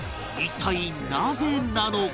一体なぜなのか？